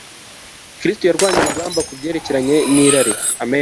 Kristo yarwanye urugamba ku byerekeranye nirari